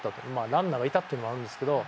ランナーがいたっていうのもあるんですけど。